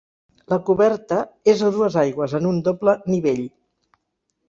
La coberta és a dues aigües, en un doble nivell.